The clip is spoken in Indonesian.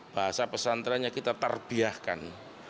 bahasa pesantrennya kita terbiahkan